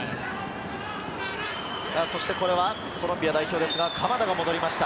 これはコロンビア代表ですが、鎌田が戻りました。